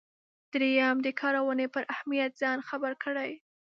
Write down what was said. دریم د کارونې پر اهمیت ځان خبر کړئ.